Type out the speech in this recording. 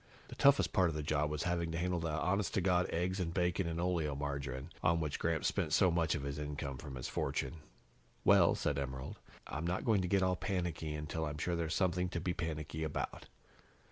The toughest part of the job was having to handle the honest to God eggs and bacon and oleomargarine, on which Gramps spent so much of the income from his fortune. "Well," said Emerald, "I'm not going to get all panicky until I'm sure there's something to be panicky about."